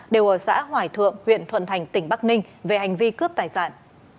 đều ở xã hoài thượng huyện thuận thành tỉnh bắc ninh về hành vi cướp tài sản